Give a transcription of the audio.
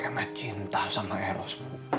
kayak matt cinta sama eros